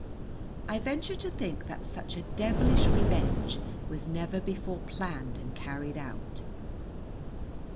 I venture to think that such a devilish revenge was never before planned and carried out.